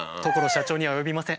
社長には及びません。